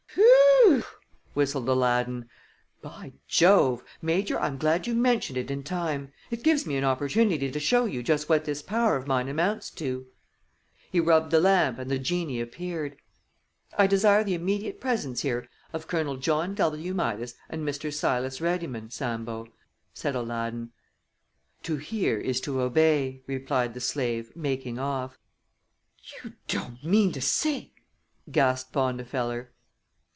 "Phew!" whistled Aladdin. "By Jove! Major, I'm glad you mentioned it in time. It gives me an opportunity to show you just what this power of mine amounts to." He rubbed the lamp and the genie appeared. "I desire the immediate presence here of Colonel John W. Midas and Mr. Silas Reddymun, Sambo," said Aladdin. "To hear is to obey," replied the slave, making off. "You don't mean to say " gasped Bondifeller.